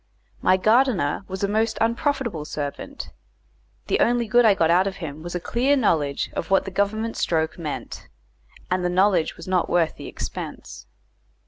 My gardener was a most unprofitable servant; the only good I got out of him was a clear knowledge of what the Government stroke meant, and the knowledge was not worth the expense.